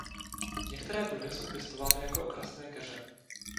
Některé druhy jsou pěstovány jako okrasné keře.